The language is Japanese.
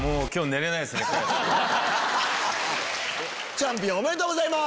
チャンピオンおめでとうございます！